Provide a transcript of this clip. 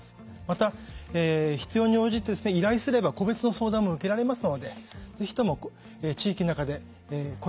また必要に応じて依頼すれば個別の相談も受けられますのでぜひとも地域の中で声をかけてほしいなと思います。